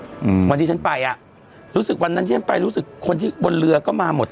อืมวันที่ฉันไปอ่ะรู้สึกวันนั้นที่ฉันไปรู้สึกคนที่บนเรือก็มาหมด